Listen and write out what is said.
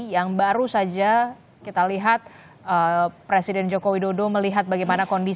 yang baru saja kita lihat presiden joko widodo melihat bagaimana kondisi